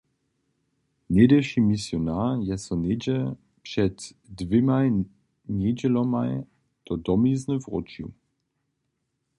Něhdyši misionar je so něhdźe před dwěmaj njedźelomaj do domizny wróćił.